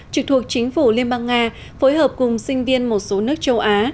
trực thuộc chính phủ liên bang nga phối hợp cùng sinh viên một số nước châu á